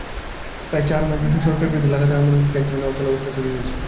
প্রায় চার মাসব্যাপী সরকারবিরোধী লাগাতার আন্দোলন শেষে একধরনের অচলাবস্থা তৈরি হয়েছে।